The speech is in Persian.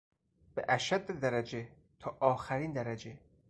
به اشد درجه، تا آخرین درجه